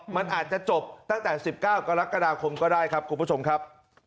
มันอาจจะจบตั้งแต่๑๙กรกฎาคมก็ได้ครับคุณผู้ชมครับ